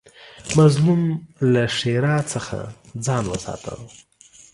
مظلوم له ښېرا څخه ځان وساته